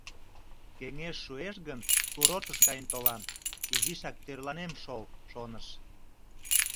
«Кеҥеж шуэш гын, курортыш каен толам, изишак тӧрланем шол», — шоныш.